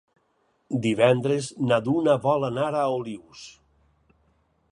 Divendres na Duna vol anar a Olius.